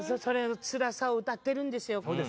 それのつらさを歌ってるんですよ。